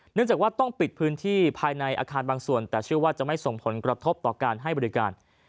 เนื่องจากว่าต้องปิดพื้นที่ภายในอาคารบางส่วนแต่เชื่อว่าจะไม่ส่งผลกระทบต่อการให้บริการ